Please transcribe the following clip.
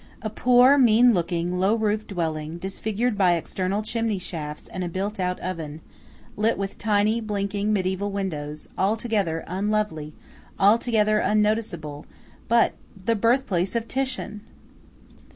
A poor, mean looking, low roofed dwelling, disfigured by external chimney shafts and a built out oven; lit with tiny, blinking, mediæval windows; altogether unlovely; altogether unnoticeable; but–the birthplace of Titian!